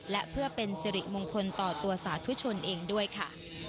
และเพื่อเป็นสิริมงคลต่อตัวสาธุชนเองด้วยค่ะ